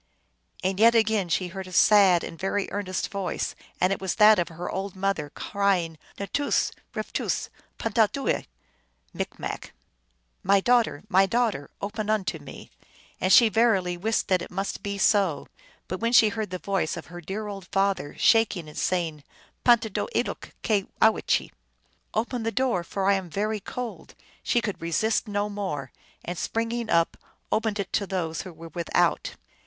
" And yet again she heard a sad and very earnest voice, and it was that of her old mother, cry ing, " N toos\ rftoos\pantahdooel" M., "My daugh ter ! my daughter ! open unto me !" and she verily wist that it must be so. But when she heard the voice of her dear old father, shaking and saying, " Pantahdooe loke cyowchee!" " Open the door, for I am very cold !" she could resist no more, and, spring ing up, opened it to those who were without.